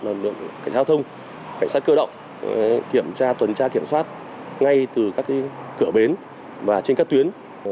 cảnh sát giao thông cảnh sát cơ động kiểm tra tuần tra kiểm soát ngay từ các cái cửa bến và trên các tuyến